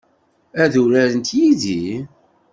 Ad urarent yid-i?